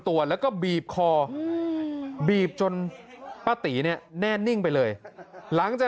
ตัวแล้วก็บีบคอบีบจนป้าตีเนี่ยแน่นิ่งไปเลยหลังจาก